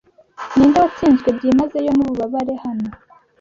Ninde watsinzwe byimazeyo nububabare hano